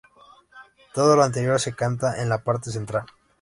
Todo lo anterior se canta en la parte central.